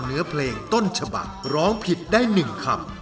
เนื้อเพลงต้นฉบักร้องผิดได้๑คำ